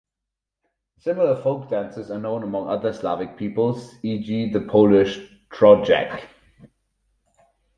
Similar folk dances are known among other Slavic peoples, e.g., the Polish Trojak.